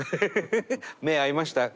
目合いました？